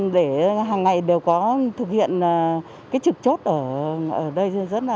để hằng ngày đều có thực hiện trực chốt ở đây